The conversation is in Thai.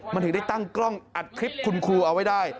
มันถึงได้ตั้งกล้องอัดคลิปคุณครูเอาไว้ได้